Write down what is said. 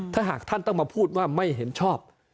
ถ้าหากท่านต้องมาพูดว่าไม่เห็นชอบ